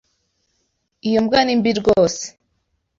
Iyo mbwa ni mbi rwose.